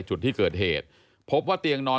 จุดที่เกิดเหตุพบว่าเตียงนอน